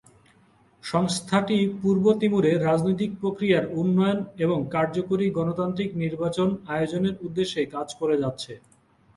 সংস্থাটি পূর্ব তিমুরে রাজনৈতিক প্রক্রিয়ার উন্নয়ন এবং কার্যকরী গণতান্ত্রিক নির্বাচন আয়োজনের উদ্দেশ্যে কাজ করে যাচ্ছে।